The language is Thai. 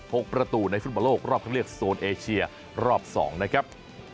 พกประตูในฟุตประโลกรอบครั้งเรียกโซนเอเชียรอบ๒นะครับ